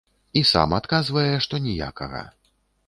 І сам адказвае, што ніякага.